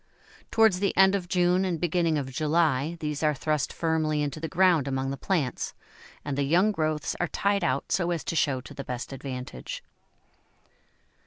Towards the end of June and beginning of July these are thrust firmly into the ground among the plants, and the young growths are tied out so as to show to the best advantage.